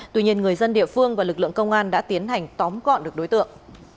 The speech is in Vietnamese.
tuy nhiên người dân địa phương và lực lượng công an đã tiến hành tóm gọn được đối tượng